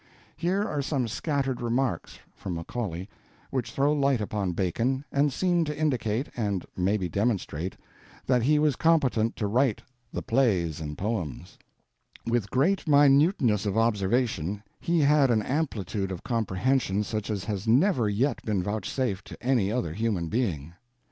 Here are some scattered remarks (from Macaulay) which throw light upon Bacon, and seem to indicate—and maybe demonstrate—that he was competent to write the Plays and Poems: With great minuteness of observation he had an amplitude of comprehension such as has never yet been vouchsafed to any other human being.